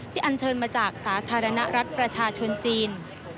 อันเชิญมาจากสาธารณรัฐประชาชนจีน